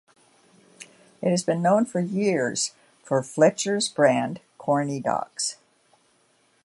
It has been known for years for Fletcher's brand corny dogs.